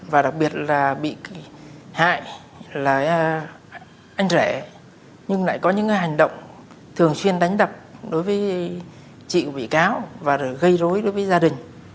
và đặc biệt là bị hại là anh rẻ nhưng lại có những hành động thường xuyên đánh đập đối với chị của bị cáo và gây rối đối với gia đình